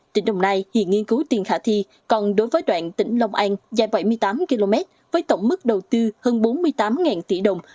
tỉnh đồng nai hiện nghiên cứu tiền khả thi còn đối với đoạn tỉnh long an dài bảy mươi tám km với tổng mức đầu tư hơn bốn mươi tám tỷ đồng